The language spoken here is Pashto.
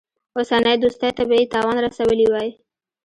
اوسنۍ دوستۍ ته به یې تاوان رسولی وای.